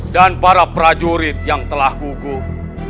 dan para prajurit yang telah gugup